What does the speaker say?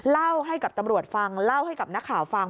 เล่าให้กับตำรวจฟังเล่าให้กับนักข่าวฟัง